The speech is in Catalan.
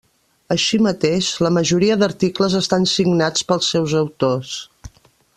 Així mateix, la majoria d'articles estan signats pels seus autors.